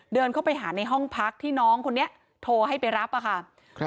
เดินเข้าไปหาในห้องพักที่น้องคนนี้โทรให้ไปรับอะค่ะ